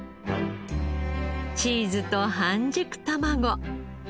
チーズと半熟卵。